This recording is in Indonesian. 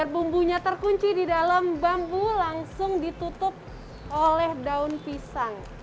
bumbunya terkunci di dalam bambu langsung ditutup oleh daun pisang